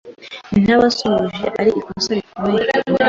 ntabasuhuje ari ikosa rikomeye